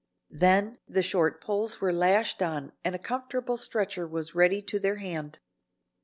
Then the short poles were lashed on and a comfortable stretcher was ready to their hand.